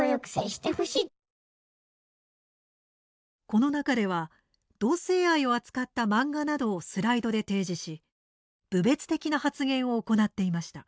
この中では、同性愛を扱った漫画などをスライドで提示し侮蔑的な発言を行っていました。